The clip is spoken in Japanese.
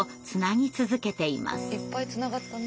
いっぱいつながったね。